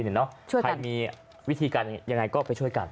ใครมีวิธีการยังไงก็ไปช่วยกัน